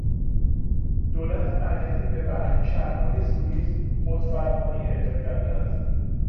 دولت مرکزی به برخی شهرهای سوئیس خودفرمانی اعطا کرده است.